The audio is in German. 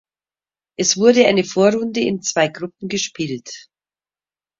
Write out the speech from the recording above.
Es wurde eine Vorrunde in zwei Gruppen gespielt.